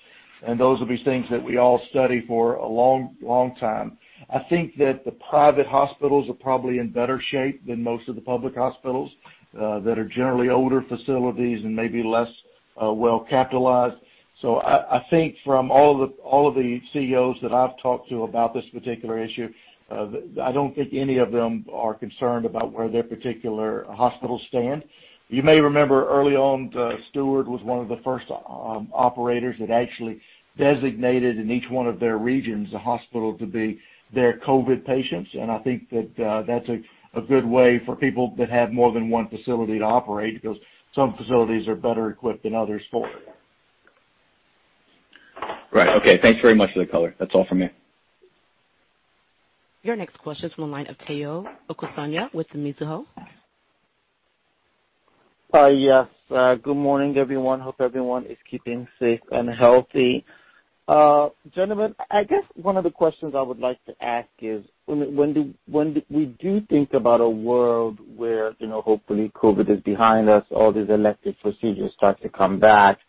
and those will be things that we all study for a long time. I think that the private hospitals are probably in better shape than most of the public hospitals that are generally older facilities and maybe less well-capitalized. I think from all of the CEOs that I've talked to about this particular issue, I don't think any of them are concerned about where their particular hospitals stand. You may remember early on, Steward was one of the first operators that actually designated in each one of their regions a hospital to be their COVID patients, and I think that that's a good way for people that have more than one facility to operate because some facilities are better equipped than others for it. Right. Okay. Thanks very much for the color. That's all from me. Your next question's from the line of Omotayo Okusanya with Mizuho. Yes. Good morning, everyone. Hope everyone is keeping safe and healthy. Gentlemen, I guess one of the questions I would like to ask is, when we do think about a world where hopefully COVID is behind us, all these elective procedures start to come back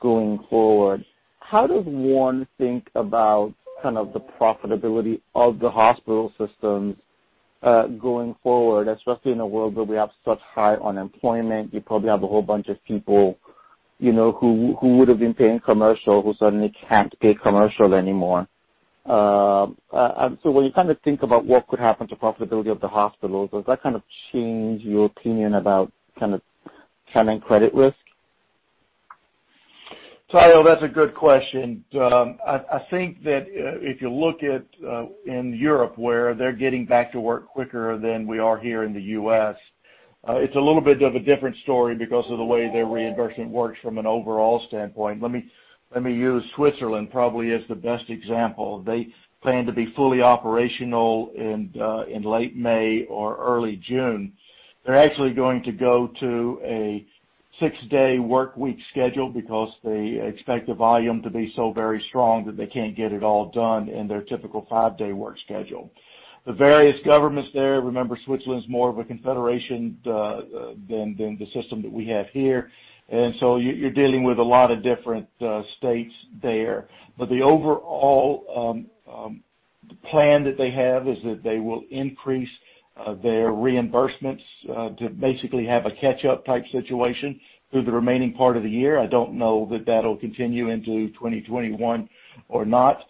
going forward, how does one think about kind of the profitability of the hospital systems, going forward, especially in a world where we have such high unemployment? You probably have a whole bunch of people who would've been paying commercial, who suddenly can't pay commercial anymore. When you kind of think about what could happen to profitability of the hospitals, does that kind of change your opinion about tenant credit risk? Tayo, that's a good question. I think that if you look at in Europe, where they're getting back to work quicker than we are here in the U.S., it's a little bit of a different story because of the way their reimbursement works from an overall standpoint. Let me use Switzerland probably as the best example. They plan to be fully operational in late May or early June. They're actually going to go to a six-day workweek schedule because they expect the volume to be so very strong that they can't get it all done in their typical five-day work schedule. The various governments there, remember, Switzerland's more of a confederation than the system that we have here, and so you're dealing with a lot of different states there. The overall plan that they have is that they will increase their reimbursements, to basically have a catch-up type situation through the remaining part of the year. I don't know that that'll continue into 2021 or not.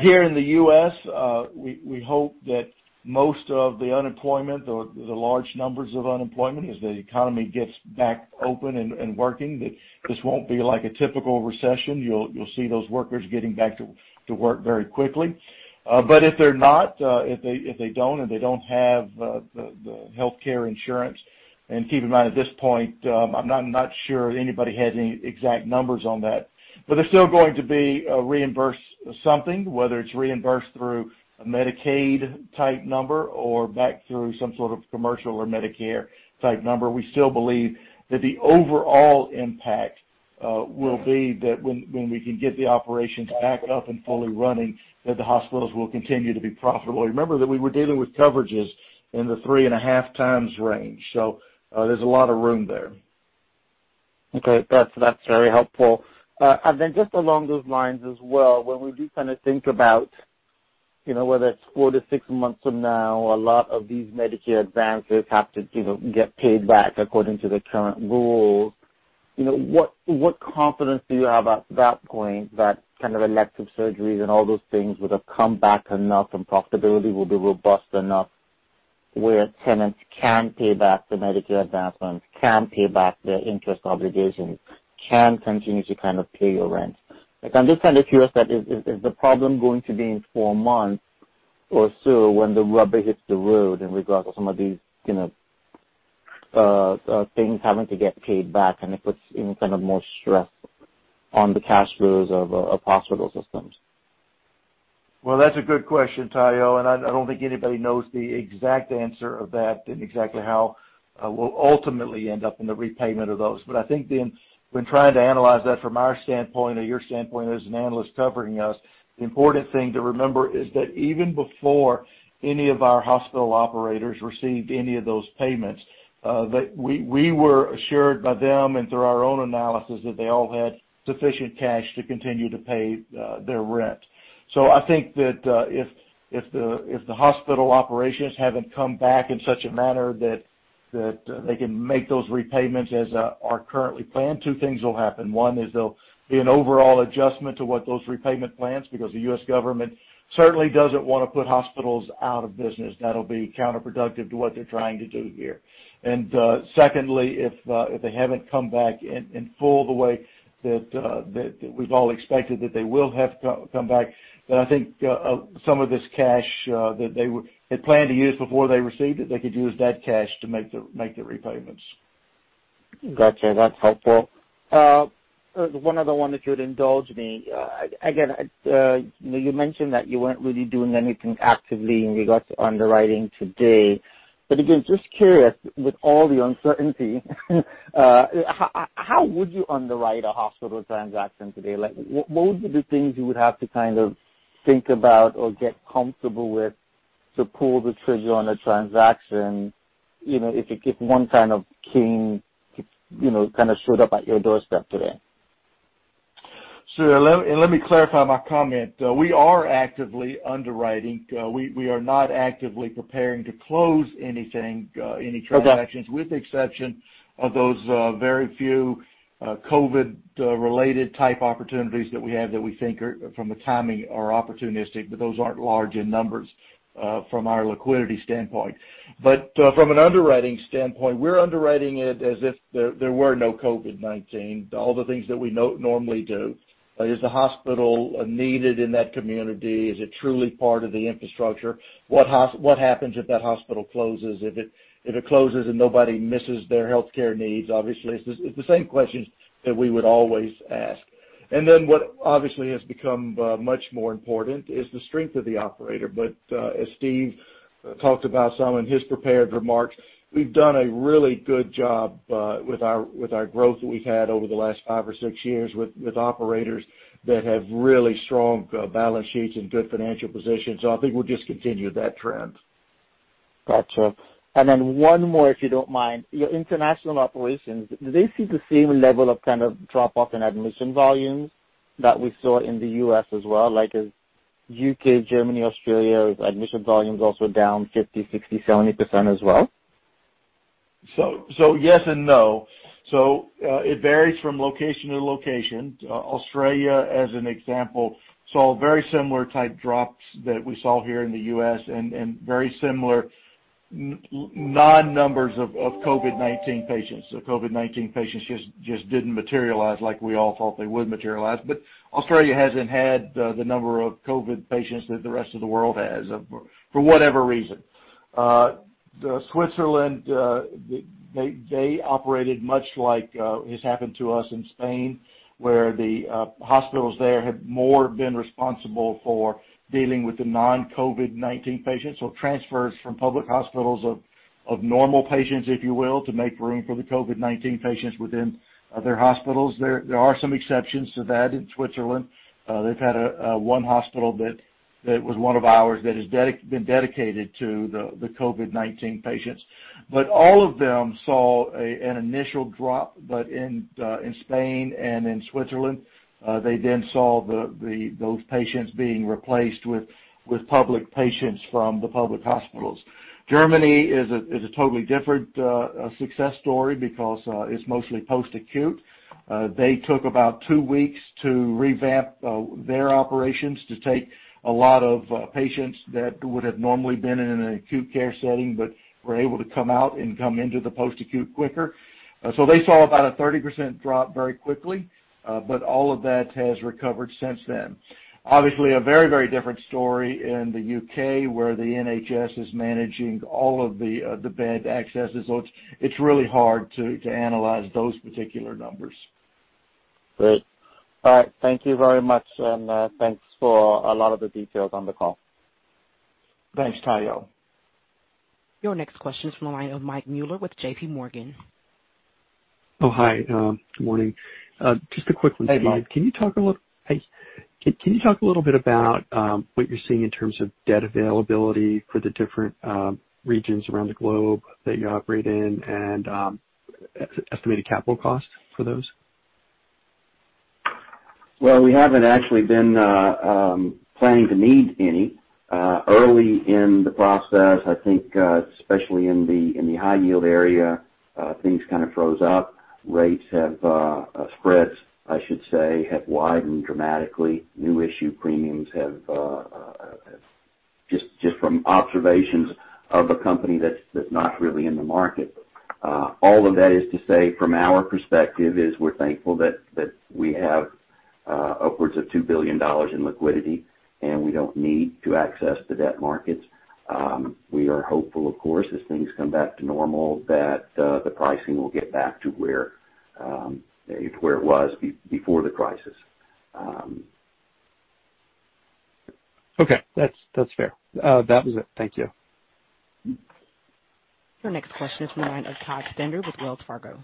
Here in the U.S., we hope that most of the unemployment or the large numbers of unemployment as the economy gets back open and working, that this won't be like a typical recession. You'll see those workers getting back to work very quickly. If they're not, if they don't and they don't have the healthcare insurance, and keep in mind, at this point, I'm not sure anybody has any exact numbers on that. They're still going to be reimbursed something, whether it's reimbursed through a Medicaid-type number or back through some sort of commercial or Medicare-type number. We still believe that the overall impact will be that when we can get the operations back up and fully running, that the hospitals will continue to be profitable. Remember that we were dealing with coverages in the three and a half times range. There's a lot of room there. Okay. That's very helpful. Then just along those lines as well, when we do kind of think about whether it's four to six months from now, a lot of these Medicare advances have to get paid back according to the current rules. What confidence do you have at that point that kind of elective surgeries and all those things would have come back enough from profitability will be robust enough where tenants can pay back the Medicare advancements, can pay back their interest obligations, can continue to kind of pay your rent? I'm just kind of curious that is the problem going to be in four months or so when the rubber hits the road in regards to some of these things having to get paid back, and it puts in kind of more stress on the cash flows of hospital systems? That's a good question, Tayo, and I don't think anybody knows the exact answer of that and exactly how we'll ultimately end up in the repayment of those. I think then when trying to analyze that from our standpoint or your standpoint as an analyst covering us, the important thing to remember is that even before any of our hospital operators received any of those payments, that we were assured by them and through our own analysis that they all had sufficient cash to continue to pay their rent. I think that, if the hospital operations haven't come back in such a manner that they can make those repayments as are currently planned, two things will happen. One is there'll be an overall adjustment to what those repayment plans, because the U.S. government certainly doesn't want to put hospitals out of business. That'll be counterproductive to what they're trying to do here. Secondly, if they haven't come back in full the way that we've all expected that they will have come back, then I think some of this cash that they had planned to use before they received it, they could use that cash to make the repayments. Got you. That's helpful. One other one, if you would indulge me. You mentioned that you weren't really doing anything actively in regards to underwriting today. Just curious, with all the uncertainty, how would you underwrite a hospital transaction today? What would be the things you would have to kind of think about or get comfortable with to pull the trigger on a transaction, if one kind of king showed up at your doorstep today? Sure. Let me clarify my comment. We are actively underwriting. We are not actively preparing to close anything. Okay with the exception of those very few COVID-related type opportunities that we have that we think are, from the timing, are opportunistic. Those aren't large in numbers from our liquidity standpoint. From an underwriting standpoint, we're underwriting it as if there were no COVID-19. All the things that we normally do. Is the hospital needed in that community? Is it truly part of the infrastructure? What happens if that hospital closes? If it closes and nobody misses their healthcare needs, obviously, it's the same questions that we would always ask. What obviously has become much more important is the strength of the operator. As Steve talked about some in his prepared remarks, we've done a really good job with our growth that we've had over the last five or six years with operators that have really strong balance sheets and good financial positions. I think we'll just continue that trend. Got you. One more, if you don't mind. Your international operations, do they see the same level of kind of drop-off in admission volumes that we saw in the U.S. as well? Like, is U.K., Germany, Australia, admission volumes also down 50%, 60%, 70% as well? Yes and no. It varies from location to location. Australia, as an example, saw very similar type drops that we saw here in the U.S. and very similar non-numbers of COVID-19 patients. COVID-19 patients just didn't materialize like we all thought they would materialize. Australia hasn't had the number of COVID patients that the rest of the world has, for whatever reason. Switzerland, they operated much like has happened to us in Spain, where the hospitals there have more been responsible for dealing with the non-COVID-19 patients. Transfers from public hospitals of normal patients, if you will, to make room for the COVID-19 patients within their hospitals. There are some exceptions to that in Switzerland. They've had one hospital that was one of ours that has been dedicated to the COVID-19 patients. All of them saw an initial drop. In Spain and in Switzerland, they then saw those patients being replaced with public patients from the public hospitals. Germany is a totally different success story because it's mostly post-acute. They took about two weeks to revamp their operations to take a lot of patients that would have normally been in an acute care setting, but were able to come out and come into the post-acute quicker. They saw about a 30% drop very quickly. All of that has recovered since then. Obviously a very, very different story in the U.K., where the NHS is managing all of the bed accesses. It's really hard to analyze those particular numbers. Great. All right. Thank you very much and, thanks for a lot of the details on the call. Thanks, Tayo Your next question is from the line of Michael Mueller with JPMorgan. Oh, hi. Good morning. Just a quick one. Hey, Mike. Hi. Can you talk a little bit about what you're seeing in terms of debt availability for the different regions around the globe that you operate in and estimated capital costs for those? Well, we haven't actually been planning to need any. Early in the process, I think, especially in the high yield area, things kind of froze up. Spreads, I should say, have widened dramatically. New issue premiums have, just from observations of a company that's not really in the market. All of that is to say, from our perspective, is we're thankful that we have upwards of $2 billion in liquidity, and we don't need to access the debt markets. We are hopeful, of course, as things come back to normal, that the pricing will get back to where it was before the crisis. Okay. That's fair. That was it. Thank you. Your next question is from the line of Todd Stender with Wells Fargo.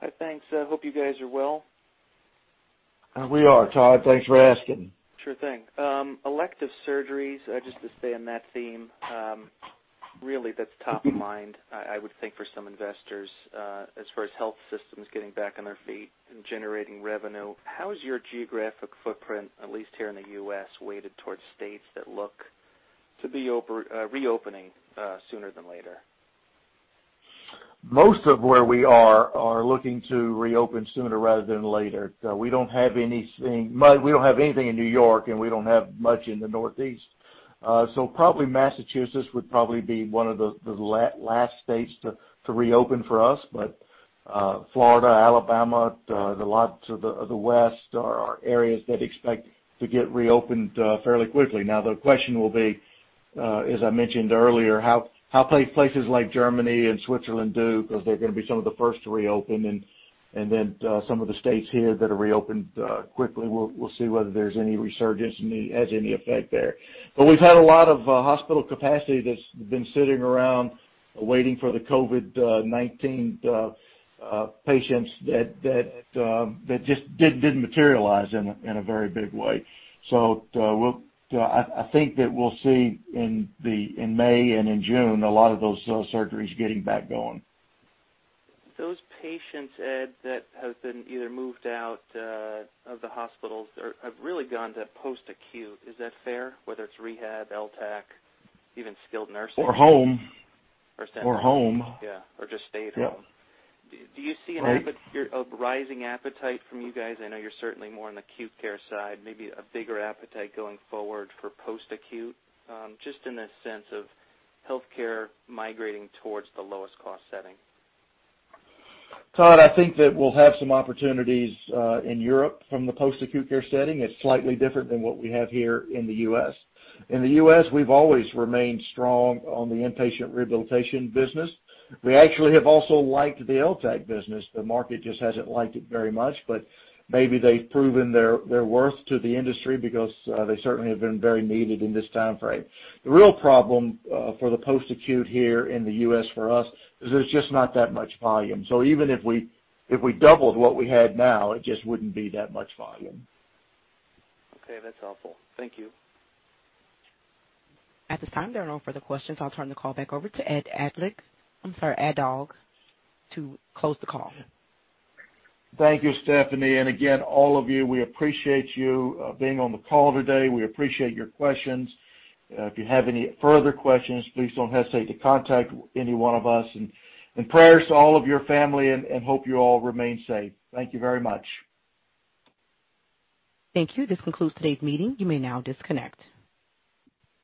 Hi, thanks. I hope you guys are well. We are, Todd. Thanks for asking. Sure thing. Elective surgeries, just to stay in that theme, really that's top of mind, I would think, for some investors, as far as health systems getting back on their feet and generating revenue. How is your geographic footprint, at least here in the U.S., weighted towards states that look to be reopening sooner than later? Most of where we are looking to reopen sooner rather than later. We don't have anything in New York, and we don't have much in the Northeast. Probably Massachusetts would probably be one of the last states to reopen for us. Florida, Alabama, lots of the West are areas that expect to get reopened fairly quickly. Now, the question will be, as I mentioned earlier, how places like Germany and Switzerland do, because they're gonna be some of the first to reopen, and then some of the states here that are reopened quickly. We'll see whether there's any resurgence and has any effect there. We've had a lot of hospital capacity that's been sitting around waiting for the COVID-19 patients that just didn't materialize in a very big way. I think that we'll see in May and in June, a lot of those surgeries getting back going. Those patients, Ed, that have been either moved out of the hospitals or have really gone to post-acute. Is that fair? Whether it's rehab, LTAC, even skilled nursing. home. Stay at home. home. Yeah. Just stay at home. Yeah. Do you see? Right rising appetite from you guys? I know you're certainly more on the acute care side. Maybe a bigger appetite going forward for post-acute, just in the sense of healthcare migrating towards the lowest cost setting. Todd, I think that we'll have some opportunities, in Europe from the post-acute care setting. It's slightly different than what we have here in the U.S. In the U.S., we've always remained strong on the inpatient rehabilitation business. We actually have also liked the LTAC business. The market just hasn't liked it very much, but maybe they've proven their worth to the industry because, they certainly have been very needed in this time frame. The real problem for the post-acute here in the U.S. for us is there's just not that much volume. Even if we doubled what we had now, it just wouldn't be that much volume. Okay. That's all, folks. Thank you. At this time, there are no further questions. I'll turn the call back over to I'm sorry, Ed Aldag, to close the call. Thank you, Stephanie, and again, all of you, we appreciate you being on the call today. We appreciate your questions. If you have any further questions, please don't hesitate to contact any one of us, and prayers to all of your family and hope you all remain safe. Thank you very much. Thank you. This concludes today's meeting. You may now disconnect.